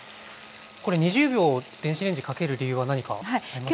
これ２０秒電子レンジかける理由は何かありますか？